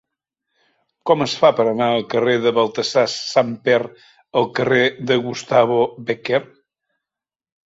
Com es fa per anar del carrer de Baltasar Samper el carrer de Gustavo Bécquer?